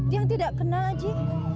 yang tidak kenal haji